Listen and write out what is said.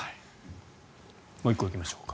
もう１個行きましょう。